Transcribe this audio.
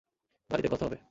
বাড়িতে কথা হবে।